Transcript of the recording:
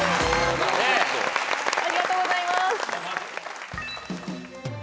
ありがとうございます！